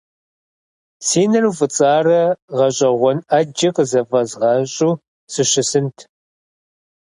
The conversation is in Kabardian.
Си нэр уфӏыцӏарэ гъэщӏэгъуэн ӏэджи къызыфӏэзгъэщӏу сыщысынт.